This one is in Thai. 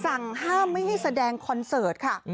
สั่งห้ามไม่ให้แสดงคอนเสิร์ตค่ะ